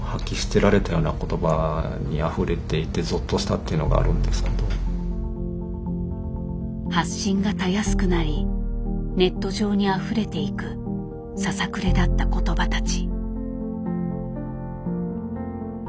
何ていうのかこう何ていうのかこう発信がたやすくなりネット上にあふれていくささくれ立った言葉たち。